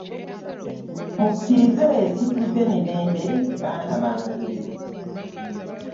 Mukkirizze situdde mirembe baana bange .